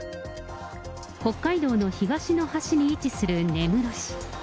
北海道の東の端に位置する根室市。